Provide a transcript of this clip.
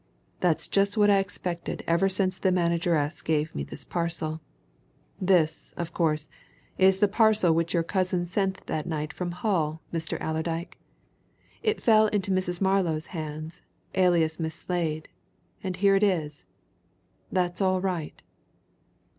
"That's just what I expected ever since the manageress gave me this parcel. This, of course, is the parcel which your cousin sent that night from Hull, Mr. Allerdyke. It fell into Mrs. Marlow's hands alias Miss Slade and here it is! That's all right."